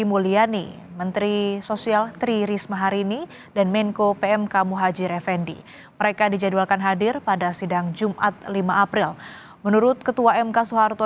presiden jokowi memastikan keempat menterinya akan hadir dalam sidang sengketa pilpres